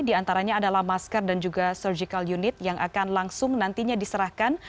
di antaranya adalah masker dan juga surgical unit yang akan langsung nantinya diserahkan